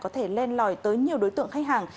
lòi tới nhiều đối tượng khách hàng